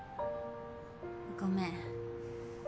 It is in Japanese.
ごめん。